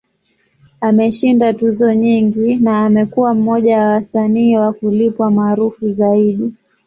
Ameshinda tuzo nyingi, na amekuwa mmoja wa wasanii wa kulipwa maarufu zaidi.